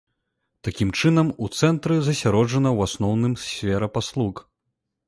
Такім чынам, у цэнтры засяроджана ў асноўным сфера паслуг.